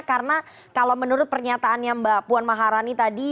karena kalau menurut pernyataan mbak puan maharani tadi